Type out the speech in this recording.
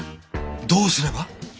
どうすれば？